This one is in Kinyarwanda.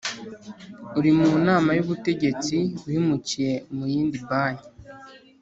Uri mu nama y ubutegetsi wimukiye mu yindi banki